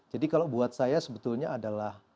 jadi kalau buat saya sebetulnya adalah